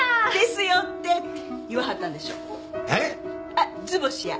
あっ図星や。